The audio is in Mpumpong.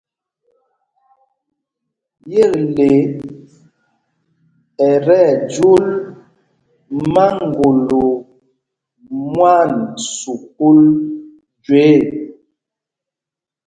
Yekle ɛ tí ɛjúl máŋgolo mwán sukûl jüe ɛ.